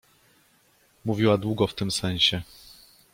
Mówiła długo w tym sensie.